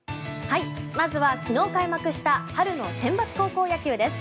まずは昨日開幕した春のセンバツ高校野球です。